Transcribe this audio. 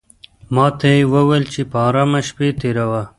ماته یې وویل چې په آرامه شپې تېروه.